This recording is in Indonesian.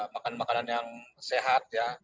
makan makanan yang sehat ya